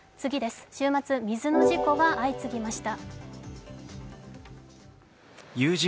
週末、水の事故が相次ぎました。